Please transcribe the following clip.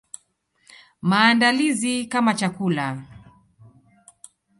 Maandalizi kama chakula.